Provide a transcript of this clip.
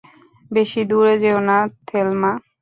বেশি দূরে যেও না, থেলমা।